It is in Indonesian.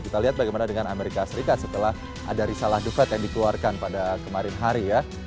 kita lihat bagaimana dengan amerika serikat setelah ada risalah the fed yang dikeluarkan pada kemarin hari ya